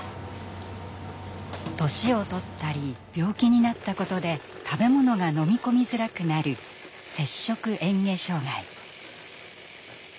年を取ったり病気になったことで食べ物が飲み込みづらくなる摂食えん下障害。